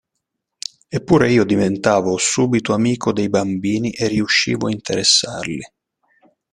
Eppure, io diventavo subito amico dei bambini e riuscivo a interessarli.